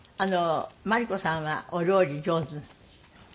茉莉子さんはお料理上手？